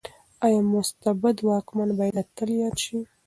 ايا مستبد واکمن بايد اتل ياد شي؟